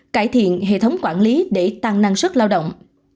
cải thiện hệ thống quản lý để tăng năng suất lao động